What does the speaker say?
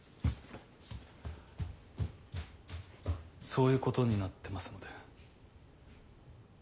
そういうことになってますので。